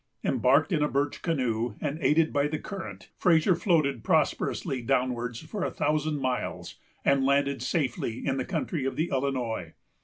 Embarked in a birch canoe, and aided by the current, Fraser floated prosperously downwards for a thousand miles, and landed safely in the country of the Illinois.